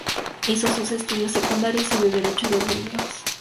Hizo sus estudios secundarios y de Derecho en Burdeos.